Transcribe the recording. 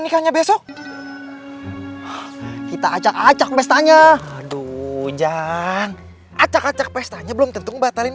nikahnya besok kita acak acak pestanya aduh jangan acak acak pestanya belum tentu ngembatarin